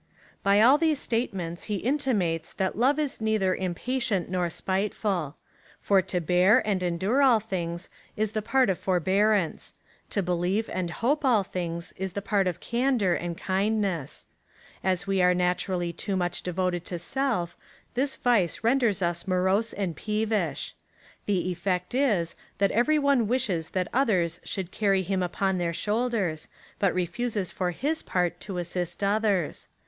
By all these statements he in timates, that love is neither impatient nor spiteful. For to hear and endure all things is the part of forbearance : to believe and hope all things is the part of candour and kind ness. As we are naturally too much devoted to self, this vice renders us morose and peevish. The effect is, that every one wishes that others should carry him upon their shoulders, but refuses for his part to assist others.